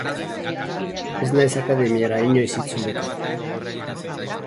Ez naiz akademiara inoiz itzuliko.